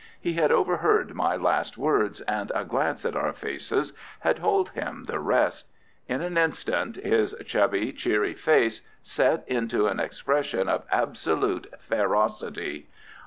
He had overheard my last words, and a glance at our faces had told him the rest. In an instant his chubby, cheery face set into an expression of absolute ferocity.